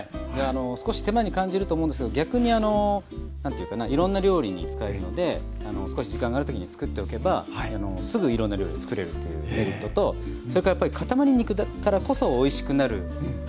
少し手間に感じると思うんですけど逆に何ていうかないろんな料理に使えるので少し時間がある時に作っておけばすぐいろんな料理作れるというメリットとそれからやっぱりかたまり肉だからこそおいしくなる調理法っていっぱいあるじゃないですか。